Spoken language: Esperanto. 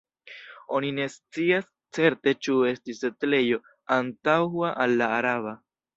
Oni ne scias certe ĉu estis setlejo antaŭa al la araba.